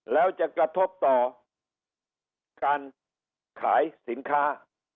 แล้วจะกระทบต่อการขายสินค้า